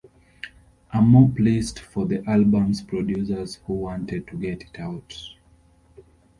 I'm more pleased for the album's producers who wanted to get it out.